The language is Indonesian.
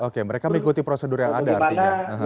oke mereka mengikuti prosedur yang ada artinya